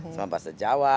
sama bahasa jawa